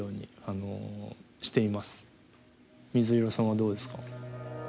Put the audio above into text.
水色さんはどうですか？